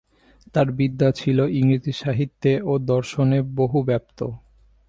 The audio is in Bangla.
তাঁর বিদ্যা ছিল ইংরেজি সাহিত্যে ও দর্শনে বহুব্যপ্ত।